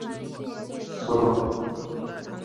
服了